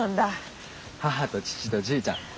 母と父とじいちゃん。